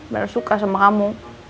bener suka sama kamu